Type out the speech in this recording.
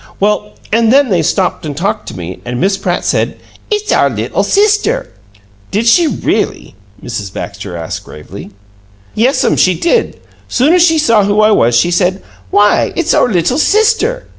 Well, an' then they stopped an' talked to me, an' Miss Pratt said, 'It's our little sister.'" "Did she really?" Mrs. Baxter asked, gravely. "Yes'm, she did. Soon as she saw who I was, she said, 'Why, it's our little sister!'